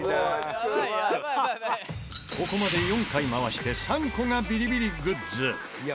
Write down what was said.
ここまで４回回して３個がビリビリグッズ。